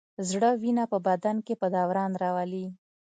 زړه وینه په بدن کې په دوران راولي.